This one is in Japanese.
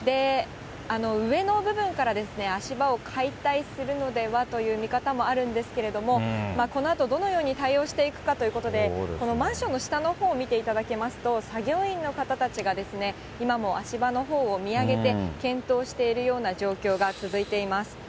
上の部分から足場を解体するのではという見方もあるんですけれども、このあとどのように対応していくかということで、このマンションの下のほう見ていただきますと、作業員の方たちが、今も足場のほうを見上げて、検討しているような状況が続いています。